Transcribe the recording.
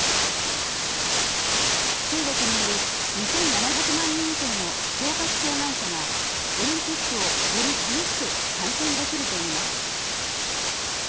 中国にいる２７００万人以上の聴覚障害者がオリンピックをより楽しく観戦できるといいます。